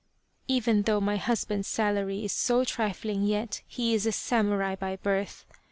" Even though my hus band's salary is so trifling yet he is a samurai by birth.